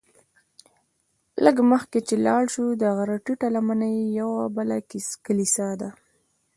لږ مخکې چې لاړ شې د غره ټیټه لمنه کې یوه بله کلیسا ده.